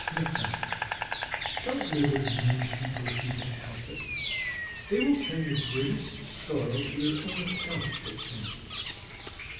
(Micmac.) Don t live with mean people if you can help it. They will turn your greatest sorrow to their own ac count if they can.